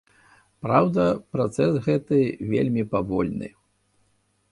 Праўда, працэс гэты вельмі павольны.